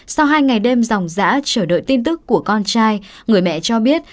sau hai ngày đêm dòng giã chờ đợi tin tức của con trai người mẹ cho biết